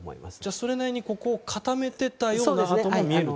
それなりにここを固めていたような跡も見えると。